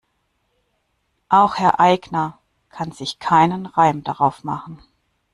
Auch Herr Aigner kann sich keinen Reim darauf machen.